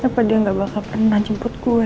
hai apa dia nggak bakal pernah jemput gue